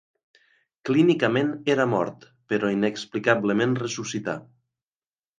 Clínicament era mort, però inexplicablement ressuscità.